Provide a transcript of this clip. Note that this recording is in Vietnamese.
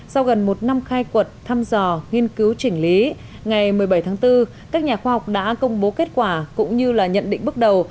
sau gần một năm khai quật thăm dò nghiên cứu chỉnh lý ngày một mươi bảy tháng bốn các nhà khoa học đã công bố kết quả cũng như là nhận định bước đầu